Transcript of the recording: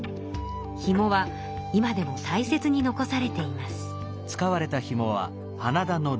ひもは今でもたいせつに残されています。